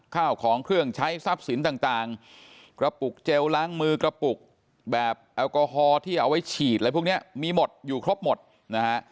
ข้าวของเครื่องใช้ทรัพย์สินต่างกระปุกเจลล้างมือกระปุกแบบแอลกอฮอลที่เอาไว้ฉีดอะไรพวกนี้มีหมดอยู่ครบหมดนะฮะ